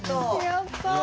やった！